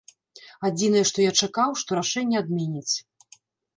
Адзінае, што я чакаў, што рашэнне адменяць.